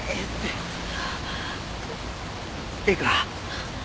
ええか？